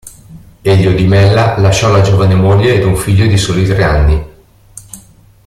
Elio Di Mella lasciò la giovane moglie ed un figlio di soli tre anni.